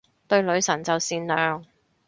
對女神就善良